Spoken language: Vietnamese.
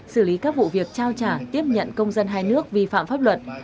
xử lý các vụ việc trao trả tiếp nhận công dân hai nước vi phạm pháp luật